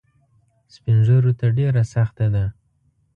سپین ږیرو ته ډېره سخته ده.